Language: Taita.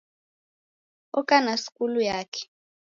Oka na skulu yake.